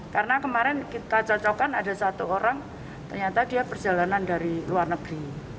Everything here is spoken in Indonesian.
karena kemarin kita cocokkan ada satu orang ternyata dia perjalanan dari luar negeri